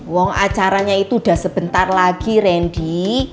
wong acaranya itu udah sebentar lagi ren di